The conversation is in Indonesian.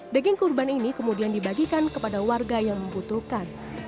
daging kurban ini kemudian dibagikan kepada warga yang membutuhkan